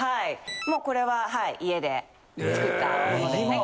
これは家で作ったものですね。